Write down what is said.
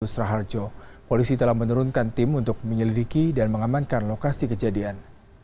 polisi telah menurunkan tim untuk menyelidiki dan mengamankan lokasi kejadian